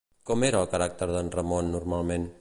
Com era el caràcter d'en Ramon normalment?